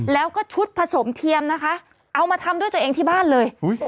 แล้วก็ชุดผสมเทียมนะคะเอามาทำด้วยตัวเองที่บ้านเลย